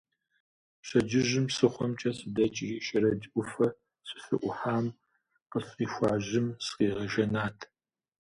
Пщэдджыжьым псыхъуэмкӏэ сыдэкӏри Шэрэдж ӏуфэ сыщыӏухьам къысщӏихуа жьым сыкъигъэжэнат.